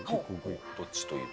どっちというと？